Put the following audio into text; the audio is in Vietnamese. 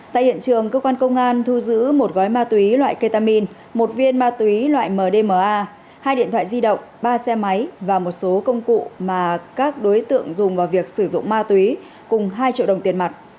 tại hiện trường cơ quan công an thu giữ một gói ma túy loại ketamin một viên ma túy loại mdma hai điện thoại di động ba xe máy và một số công cụ mà các đối tượng dùng vào việc sử dụng ma túy cùng hai triệu đồng tiền mặt